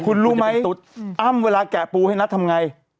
คุณรู้ไหมอ้ำเวลาแกะปูให้นัททำไง